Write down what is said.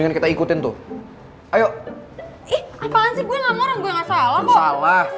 ih apalan sih gue gak mau orang gue gak salah